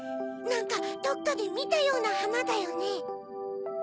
なんかどっかでみたようなはなだよね。